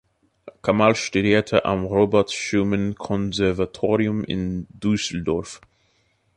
Kamal studierte am Robert-Schumann-Konservatorium in Düsseldorf.